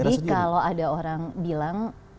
jadi kalau ada orang bilang